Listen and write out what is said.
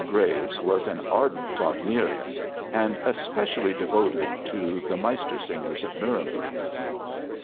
Graves was an ardent Wagnerian, and especially devoted to The Mastersingers of Nuremberg.